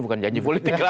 bukan janji politik lagi ya